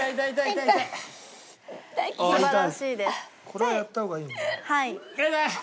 これはやった方がいいですね。